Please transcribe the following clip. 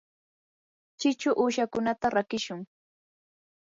chichu uushakunata rakishun.